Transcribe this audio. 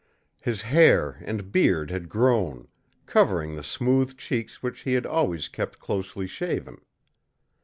His hair and beard had grown, covering the smooth cheeks which he had always kept closely shaven.